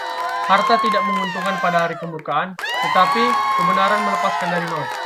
Harta tidak menguntungkan pada hari kemurkaan, tetapi kebenaran melepaskan dari maut.